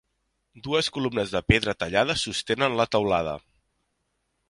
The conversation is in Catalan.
Dues columnes de pedra tallada sostenen la teulada.